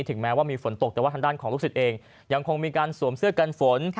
แม้ว่ามีฝนตกแต่ว่าทางด้านของลูกศิษย์เองยังคงมีการสวมเสื้อกันฝน